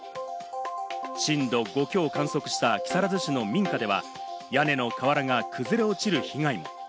震度５強を観測した木更津市の民家では、屋根の瓦が崩れ落ちる被害も。